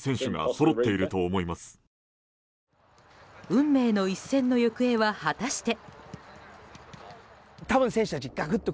運命の一戦の行方は果たして。